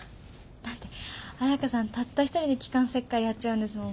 だって彩佳さんたった一人で気管切開やっちゃうんですもん。